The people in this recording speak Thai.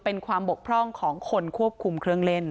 เป็นความบกพร่องของคนควบคุมเครื่องเล่น